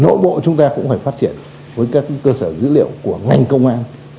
nội bộ chúng ta cũng phải phát triển với các cơ sở dữ liệu của ngành công an